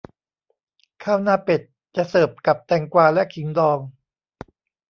ข้าวหน้าเป็ดจะเสิร์ฟกับแตงกวาและขิงดอง